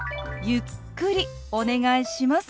ゆっくりお願いします。